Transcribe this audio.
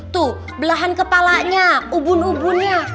tuh belahan kepalanya ubun ubunnya